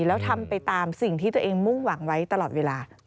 แล้วทำไปตามสิ่งที่ตัวเองมุ่งหวังไว้ตลอดเวลา